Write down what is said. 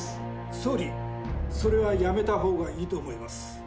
総理、それはやめたほうがいいと思います。